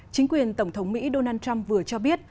chính quyền tổng thống mỹ donald trump vừa cho biết